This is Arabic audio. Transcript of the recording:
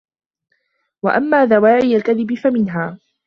وَأَمَّا دَوَاعِي الْكَذِبِ فَمِنْهَا